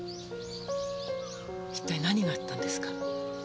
一体何があったんですか？